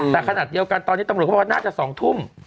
แต่ขนาดเดียวกันตอนนี้ตำรวจเขาบอกว่าน่าจะ๒ทุ่ม